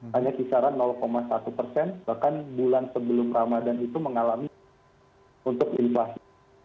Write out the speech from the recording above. hanya kisaran satu persen bahkan bulan sebelum ramadan itu mengalami untuk invasi